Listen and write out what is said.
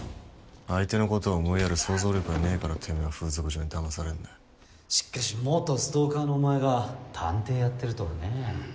相手のことを思いやる想像力がねぇからてめぇは風俗嬢にだまされんだしかし元ストーカーのお前が探偵やってるとはね。